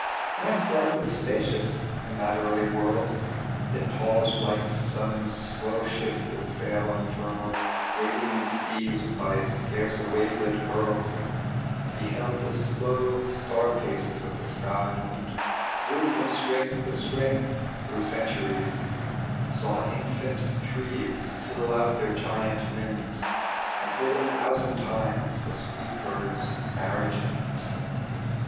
.tec bv Google i THE I^GESD OF JUBAL. Man's life was spacious in the oarly world : Xt paused, like some slow ship with sail unfurled Waiting in seas by scarce a wavelet curled ; Beheld the slow star paces of the skies, And grew from strength to strength through centu ries ; Saw infant trees fill out their giant limbs, And heard a thousand times the sweet birds' niar riage hymns.